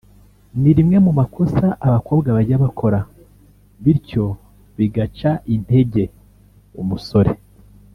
ni rimwe mu makosa abakobwa bajya bakora bityo bigaca intege umusore